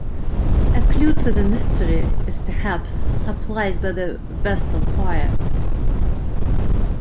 A clue to the mystery is perhaps supplied by the Vestal fire.